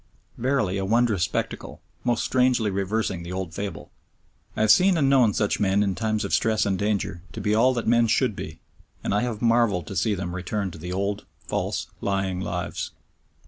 Verily a wondrous spectacle, most strangely reversing the old fable! I have seen and known such men in times of stress and danger to be all that men should be, and I have marvelled to see them return to the old false, lying lives.